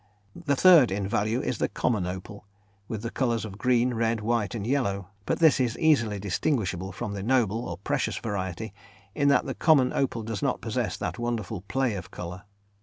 The third in value is the "common" opal, with the colours of green, red, white and yellow, but this is easily distinguishable from the "noble" or "precious" variety in that the common opal does not possess that wonderful "play" of colour.